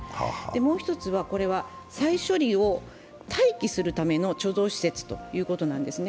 もう１つは、再処理を待機するための貯蔵施設ということなんですね。